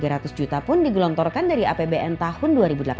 rp tiga ratus juta pun digelontorkan dari apbn tahun dua ribu delapan belas